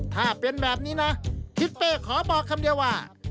ถ้าเป็นแบบนี้นะทิศเป้ขอบอกคำเดียวว่า